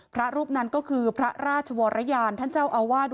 พระรูปนั้นก็คือพระราชวรยานท่านเจ้าอาวาส